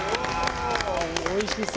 おいしそう。